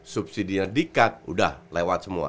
subsidi nya di cut udah lewat semua